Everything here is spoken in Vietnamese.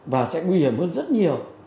và sẽ nguy hiểm hơn rất nhiều